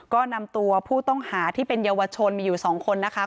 ก็นำตัวผู้ต้องหาที่เป็นเยาวชนมีอยู่๒คนนะคะ